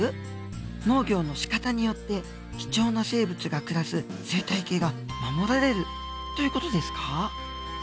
農業のしかたによって貴重な生物が暮らす生態系が守られるという事ですか？